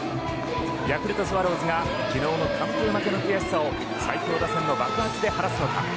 ヤクルトスワローズが昨日の完封負けの悔しさを最強打線の爆発で晴らすのか。